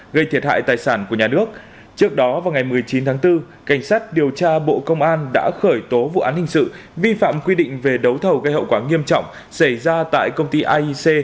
gây thiệt hại tài sản của nhà nước trước đó vào ngày một mươi chín tháng bốn cảnh sát điều tra bộ công an đã khởi tố vụ án hình sự vi phạm quy định về đấu thầu gây hậu quả nghiêm trọng xảy ra tại công ty aic